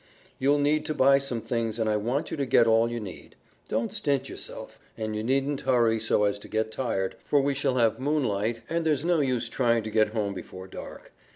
You'll need to buy some things, and I want you to get all you need. Don't stint yourself, and you needn't hurry so as to get tired, for we shall have moonlight and there's no use trying to get home before dark.